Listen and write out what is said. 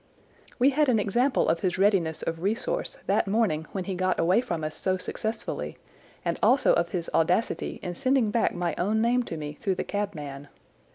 "We had an example of his readiness of resource that morning when he got away from us so successfully, and also of his audacity in sending back my own name to me through the cabman.